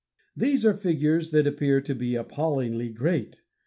These are figures that appear to be appallingly great.